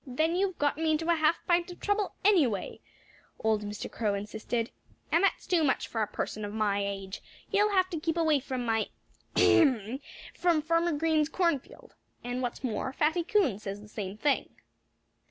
"Then you've got me into a half pint of trouble, anyway," old Mr. Crow insisted. "And that's too much, for a person of my age. You'll have to keep away from my ahem! from Farmer Green's cornfield. And what's more, Fatty Coon says the same thing."